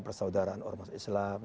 persaudaraan ormas islam